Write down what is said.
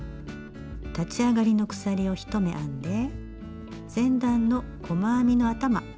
立ち上がりの鎖１目を編んで前段の細編みの頭。